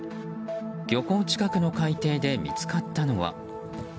漁港近くの海底で見つかったのは。